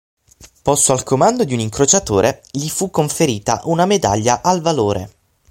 Posto al comando di un incrociatore gli fu conferita una medaglia al valore.